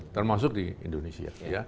termasuk di indonesia